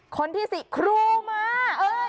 คนที่๔ครูมา